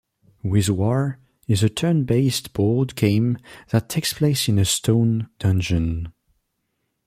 "Wiz-War" is a turn-based board game that takes place in a stone dungeon.